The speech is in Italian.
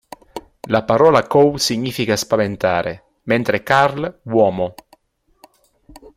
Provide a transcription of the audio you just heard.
La parola "cow" significa "spaventare", mentre "carl", "uomo".